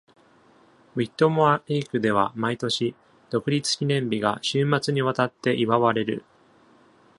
ウィットモア・レイクでは毎年、独立記念日が週末にわたって祝われる。